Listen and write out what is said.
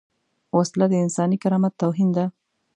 وسله د انساني کرامت توهین ده